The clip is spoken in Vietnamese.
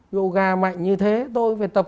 yoga mạnh như thế tôi phải tập